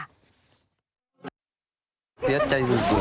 เสียใจสุด